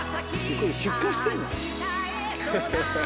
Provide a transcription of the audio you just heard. これ出荷してんの？